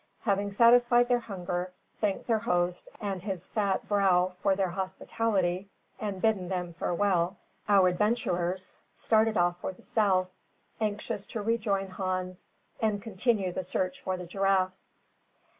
Having satisfied their hunger, thanked their host and his fat vrow for their hospitality, and bidden them farewell, our adventurers started off for the South, anxious to rejoin Hans, and continue the search after the giraffes.